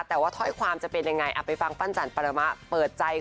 แต่ว่าถ้อยความจะเป็นยังไงไปฟังปั้นจันปรมะเปิดใจ